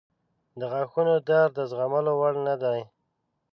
• د غاښونو درد د زغملو وړ نه دی.